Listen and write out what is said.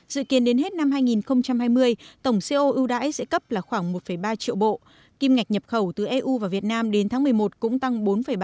dự kiến đến hết năm hai nghìn hai mươi tổng co ưu đãi sẽ cấp là khoảng một ba triệu bộ kim ngạch nhập khẩu từ eu và việt nam đến tháng một mươi một cũng tăng bốn ba